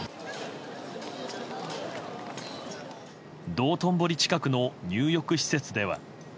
道頓堀近くの入浴施設では。